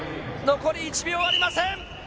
残り１秒ありません。